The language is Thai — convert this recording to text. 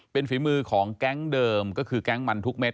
เป็นฝีมือของแก๊งเดิมก็คือแก๊งมันทุกเม็ด